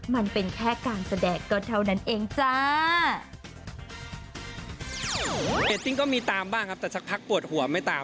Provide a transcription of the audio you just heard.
มันเป็นแค่การแสดงก็เท่านั้นเองจ้า